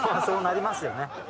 そうなりますよね。